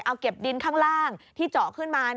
เอาเก็บดินข้างล่างที่เจาะขึ้นมา